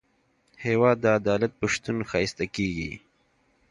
هېواد د عدالت په شتون ښایسته کېږي.